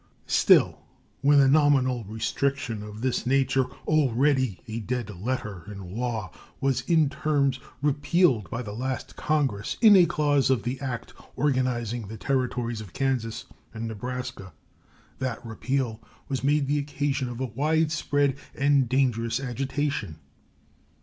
Still, when the nominal restriction of this nature, already a dead letter in law, was in terms repealed by the last Congress, in a clause of the act organizing the Territories of Kansas and Nebraska, that repeal was made the occasion of a widespread and dangerous agitation.